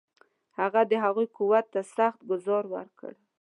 هغه د هغوی قوت ته سخت ګوزار ورکړ.